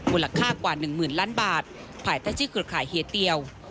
มูลค่ากว่า๑๐๐๐ล้านบาทภายใต้ชื่อเครือข่ายเฮียเตียว